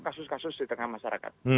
kasus kasus di tengah masyarakat